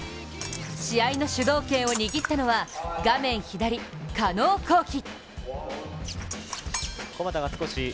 試合の主導権を握ったのは画面左、加納虹輝。